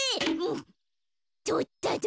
とったど。